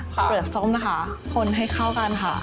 เปลือกส้มนะคะคนให้เข้ากันค่ะ